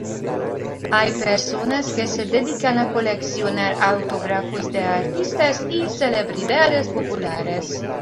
Hay personas que se dedican a coleccionar autógrafos de artistas y celebridades populares.